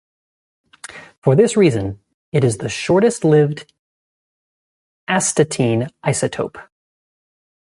For this reason, it is the shortest-lived astatine isotope.